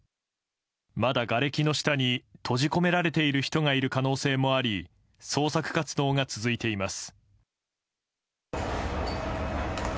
まだ、がれきの下に閉じ込められている人がいる可能性もあり捜索活動が続いています。